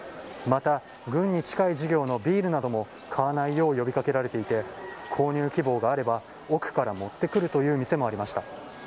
また、軍に近い事業のビールなども買わないよう呼びかけられていて、購入希望があれば奥から持ってくるという店もありました。